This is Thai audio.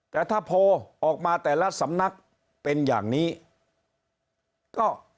แต่ถ้าโพลออกมาแต่ละสำนักเป็นอย่างนี้ก็